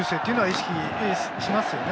当然しますよね。